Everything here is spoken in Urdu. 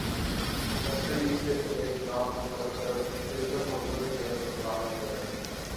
ویسٹ انڈیز کے دنیش رام برطرف جیسن ہولڈر نئے کپتان مقرر